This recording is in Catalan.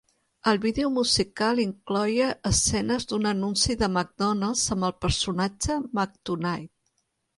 El vídeo musical incloïa escenes d'un anunci de McDonald's amb el personatge Mac Tonight.